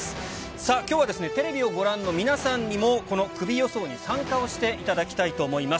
さあ、きょうはテレビをご覧の皆さんにも、このクビ予想に参加をしていただきたいと思います。